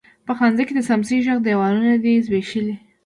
پخلنځي کې د څمڅۍ ږغ، دیوالونو دی زبیښلي